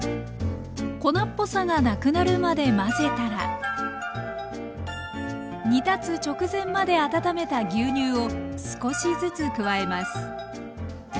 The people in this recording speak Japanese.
粉っぽさがなくなるまで混ぜたら煮立つ直前まで温めた牛乳を少しずつ加えます。